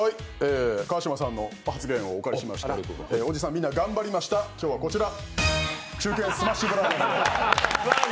川島さんのご発言をお借りしましておじさんみんな頑張りました、本日はこちら。